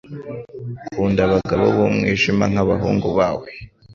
Kunda abagabo b'umwijima nk'abahungu bawe